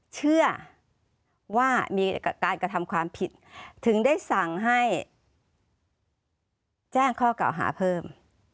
เชื่อว่ามีการกระทำความผิดถึงได้สั่งให้แจ้งข้อกล่าวหาเพิ่ม